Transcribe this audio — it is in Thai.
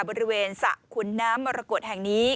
บริเวณสระขุนน้ำมรกฏแห่งนี้